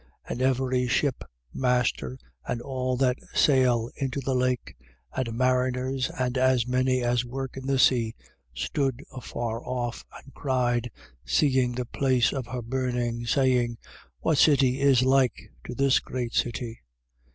And every shipmaster and all that sail into the lake, and mariners, and as many as work in the sea, stood afar off, 18:18. And cried, seeing the place of her burning, saying: What city is like to this great city?